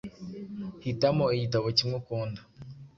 Hitamo igitabo kimwe ukunda.